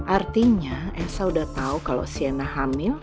artinya esa udah tahu kalau sienna hamil